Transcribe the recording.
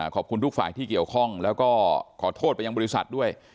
ขอบคุณทุกฝ่ายที่เกี่ยวข้องแล้วก็ขอโทษไปยังบริษัทด้วย